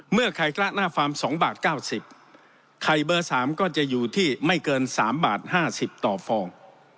ไข่กระหน้าฟาร์ม๒บาท๙๐ไข่เบอร์๓ก็จะอยู่ที่ไม่เกิน๓บาท๕๐ต่อฟอง